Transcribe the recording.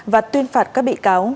và tuyên phạt các bị cáo